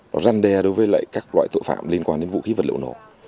nó răn đe đối với các loại tội phạm liên quan đến vũ khí vật liệu nổ